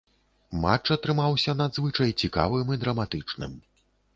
Матч атрымаўся надзвычай цікавым і драматычным.